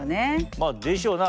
まあでしょうね。